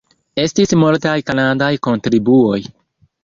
Estis multaj kanadaj kontribuoj.